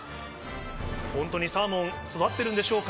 本当にサーモンは育っているんでしょうか？